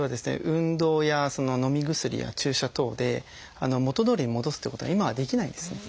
運動やのみ薬や注射等で元どおりに戻すっていうことが今はできないんですね。